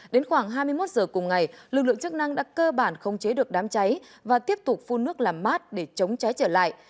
đến khoảng hai mươi một giờ cùng ngày lực lượng chức năng đã cơ bản không chế được đám cháy và tiếp tục phun nước làm mát để chống cháy trở lại